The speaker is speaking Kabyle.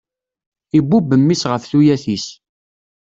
Ibubb mmi-s ɣef tuyat-is.